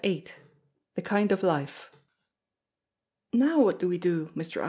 VIII THE KIND OF LIFE "Now what do we do, Mr. Ives?"